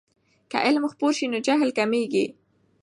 که علم خپور سي نو جهل کمېږي.